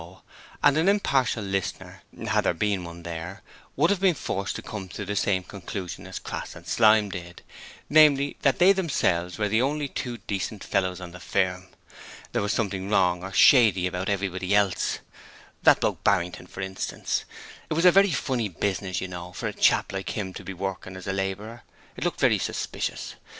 and an impartial listener had there been one there would have been forced to come to the same conclusion as Crass and Slyme did: namely, that they themselves were the only two decent fellows on the firm. There was something wrong or shady about everybody else. That bloke Barrington, for instance it was a very funny business, you know, for a chap like 'im to be workin' as a labourer, it looked very suspicious.